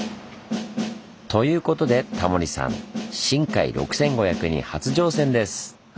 ということでタモリさんしんかい６５００に初乗船です！